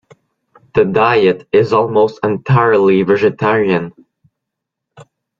The diet is almost entirely vegetarian.